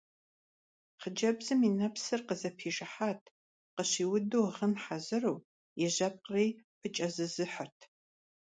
Хъыджэбзым и нэпсым къызэпижыхьат, къыщиуду гъын хьэзыру, и жьэпкъри пыкӀэзызыхьырт.